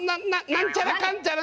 「なんちゃらかんちゃら」。